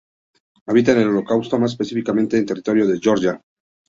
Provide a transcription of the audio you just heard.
Habita en el Cáucaso, más específicamente en territorio de Georgia.